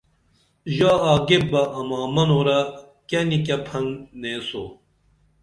ژا آگیپ بہ اماں منورہ کیہ نی کیہ پھن نیسو